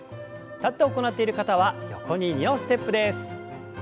立って行っている方は横に２歩ステップです。